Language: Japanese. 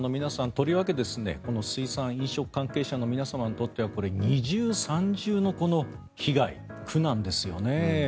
とりわけ水産・飲食関係者の皆様にとってはこれは二重、三重の被害苦難ですよね。